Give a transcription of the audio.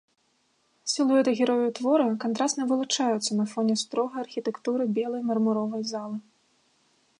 Сілуэты герояў твора кантрасна вылучаюцца на фоне строгай архітэктуры белай мармуровай залы.